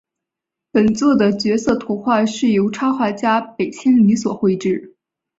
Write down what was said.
本作的角色图画是由插画家北千里所绘制。